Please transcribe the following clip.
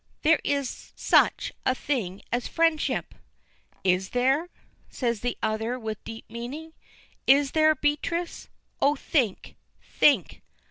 "There is such a thing as friendship!" "Is there?" says the other with deep meaning. "Is there, Beatrice? Oh! think think!"